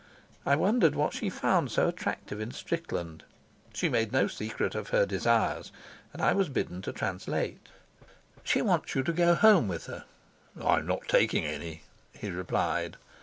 I wondered what she found so attractive in Strickland. She made no secret of her desires, and I was bidden to translate. "She wants you to go home with her." "I'm not taking any," he replied.